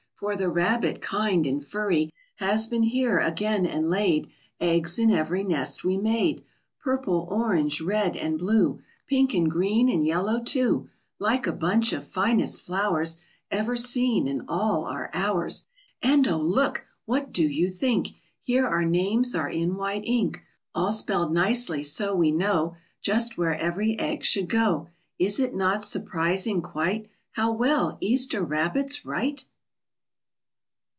For the Rabbit, kind and furry, Has been here again and laid Eggs in every nest we made! Purple, orange, red, and blue, Pink and green and yellow, too, Like a bunch of finest flowers Ever seen, and all are ours! And oh, look! What do you think! Here our names are in white ink, All spelled nicely so we know Just where every egg should go! Is it not surprising, quite, How well Easter Rabbits write?